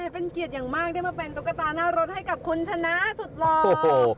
เป็นเกียรติอย่างมากที่มาเป็นตุ๊กตาหน้ารถให้กับคุณชนะสุดหล่อ